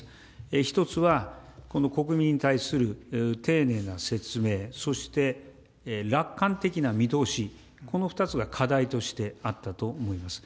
１つは国民に対する丁寧な説明、そして、楽観的な見通し、この２つが課題としてあったと思います。